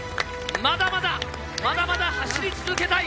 まだまだまだまだ走り続けたい。